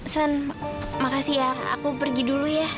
san makasih ya aku pergi dulu ya